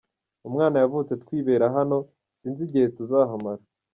Umwana yavutse twibera hano, sinzi igihe tuzahamara.